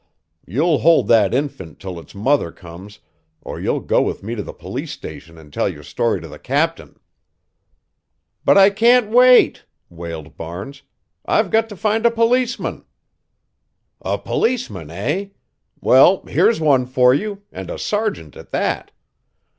"You'll hold that infant till its mother comes or you'll go with me to the police station and tell your story to the captain." "But I can't wait," wailed Barnes. "I've got to find a policeman." "A policeman, eh? Well, here's one for you, and a sergeant at that."